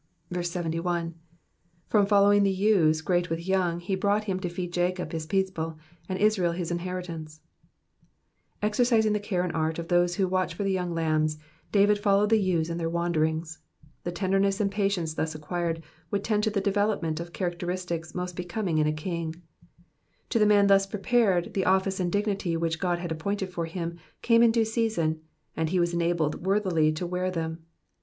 71. ^'Fivm fAlowing the ewe^t great with yovng he brovght him to feed Jacob his people^ and Israel his inheritance,'*^ Exercising the care and art of those who watch for the youn^ lambs, David followed the ewes in their wanderings ; the tenderness and patience thus acquired would tend to the development of characteristics most becoming in a kini^. To the man thus prepared, the oflice and dignity which God had appointed for him, came in due season, and he was enabled worthily to wear them.